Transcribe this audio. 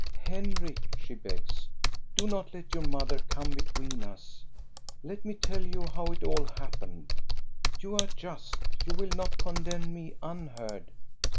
" Henrik," she begs, " do not let your mother come between us ! Let me tell you how it all hap pened. You are just, you will not condemn me un heard.